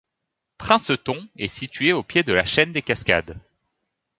Princeton est situé au pied de la chaîne des Cascades.